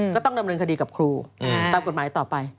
ก็ต้องดำเนินคดีกับครูตามกฎหมายต่อไป